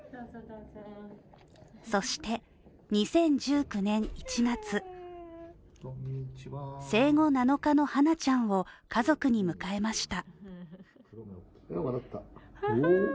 そして２０１９年１月、生後７日のはなちゃんを家族に迎えました。